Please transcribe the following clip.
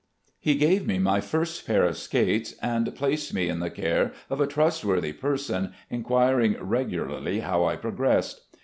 He gave me my first pair of skates, and placed me in the care of a trustworthy person, inquiring regularly how I progressed.